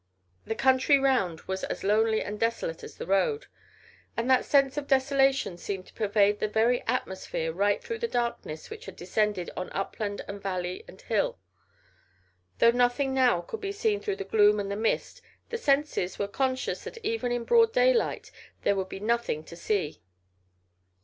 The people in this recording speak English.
The country round was as lonely and desolate as the road. And that sense of desolation seemed to pervade the very atmosphere right through the darkness which had descended on upland and valley and hill. Though nothing now could be seen through the gloom and the mist, the senses were conscious that even in broad daylight there would be nothing to see.